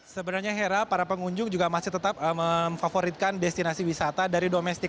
sebenarnya hera para pengunjung juga masih tetap memfavoritkan destinasi wisata dari domestik